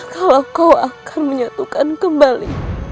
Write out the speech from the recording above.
kalau kau akan menyatukan kembali